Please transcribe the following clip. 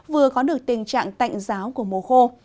vừa có được tình trạng tạnh giáo của mùa khô